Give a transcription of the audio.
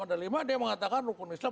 ada lima dia yang mengatakan rukun islam